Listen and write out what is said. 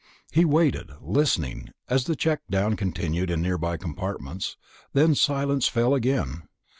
He waited, listening, as the check down continued in nearby compartments. Then silence fell again.